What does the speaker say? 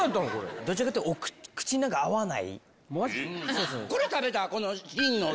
どちらかというと、口の中、合わない。